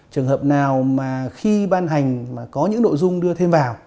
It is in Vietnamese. trường hợp nào mà khi ban hành mà có những nội dung đưa thêm vào